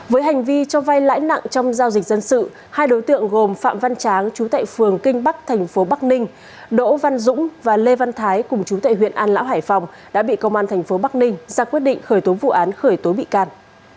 với hành vi cho vai lãi nặng trong giao dịch dân sự hai đối tượng gồm phạm văn tráng chú tại phường kinh bắc thành phố bắc ninh đỗ văn dũng và lê văn thái cùng chú tệ huyện an lão hải phòng đã bị công an thành phố bắc ninh ra quyết định khởi tố vụ án khởi tố bị can